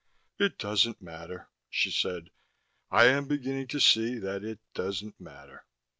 "It doesn't matter," she said. "I am beginning to see that it doesn't matter."